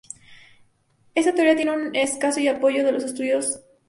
Esta teoría tiene muy escaso apoyo entre los estudiosos actuales.